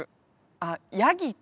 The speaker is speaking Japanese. あっヤギか。